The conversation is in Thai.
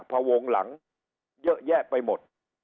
พวงหลังเยอะแยะไปหมด